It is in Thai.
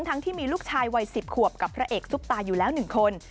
ที่มีลูกชายวัย๑๐ขวบกับพระเอกซุปตาอยู่แล้ว๑คน